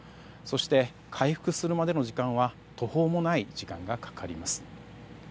そして回復するまでの時間は途方もない時間がかかります。